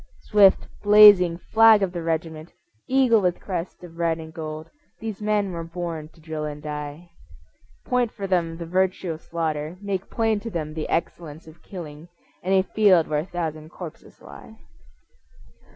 Swift blazing flag of the regiment, Eagle with crest of red and gold, These men were born to drill and die. Point for them the virtue of slaughter, Make plain to them the excellence of killing And a field where a thousand corpses lie.